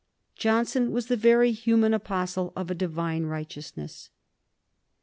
Johnson was the very human apostle of a divine righteousness.